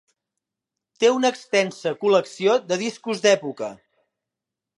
Té una extensa col·lecció de discos d'època.